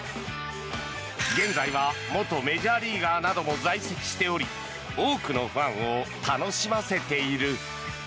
現在は元メジャーリーガーなども在籍しており多くのファンを楽しませている。